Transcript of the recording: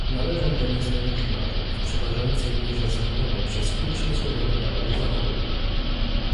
Należą do nich zmiany klimatu - w przeważającej mierze zawinione przez uprzemysłowione narody Zachodu